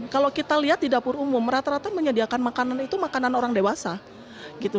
kalau kita lihat di dapur umum rata rata menyediakan makanan itu makanan orang dewasa gitu